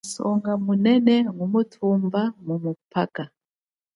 Lusonga munene ngumuthumba mumuphaka.